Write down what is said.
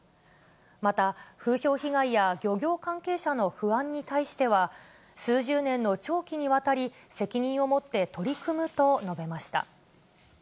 また、風評被害や漁業関係者の不安に対しては、数十年の長期にわたり、責任を持って取り組むと述べました。